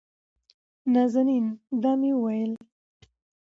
نازنين: دا مې وېل